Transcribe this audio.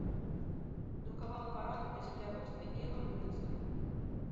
Друкавала парады па земляробстве і агародніцтве.